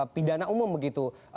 pidana umum begitu